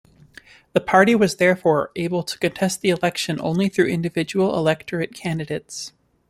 The party was therefore able to contest the election only through individual electorate candidates.